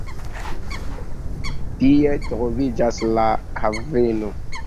Tie troviĝas la haveno.